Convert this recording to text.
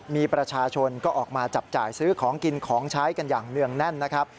มีประชาชนก็ออกมาจับจ่ายซื้อของกินของใช้กันอย่างเนื่องแน่นนะครับ